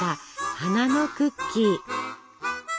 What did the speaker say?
花のクッキー。